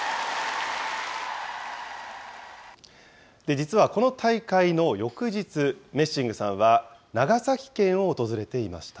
実はこの大会の翌日、メッシングさんは長崎県を訪れていました。